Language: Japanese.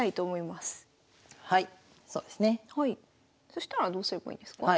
そしたらどうすればいいですか？